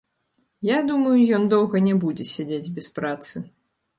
Я думаю, ён доўга не будзе сядзець без працы.